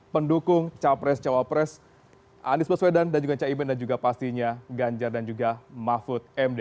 pendukung capres cawapres anies baswedan dan juga caimin dan juga pastinya ganjar dan juga mahfud md